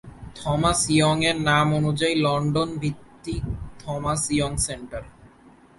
Thomas ইয়ং-এর নাম অনুযায়ী লন্ডন ভিত্তিক থমাস ইয়ং সেন্টার।